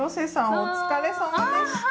お疲れさまでした。